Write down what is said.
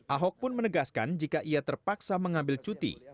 ahok pun menegaskan jika ia terpaksa mengambil cuti